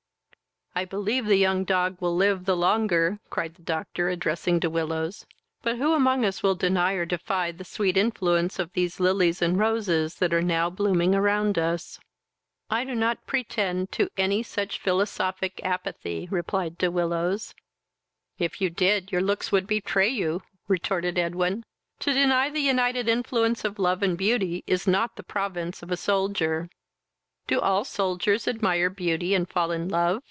"I believe the young dog will live the longer, (cried the doctor, addressing De Willows,) but who among us will deny or defy the sweet influence of these lilies and roses that are now blooming around us." "I do not pretend to any such philosophic apathy," replied De Willows. "If you did, your looks would betray you, (retorted Edwin.) To deny the united influence of love and beauty is not the province of a soldier." "Do all soldiers admire beauty, and fall in love?"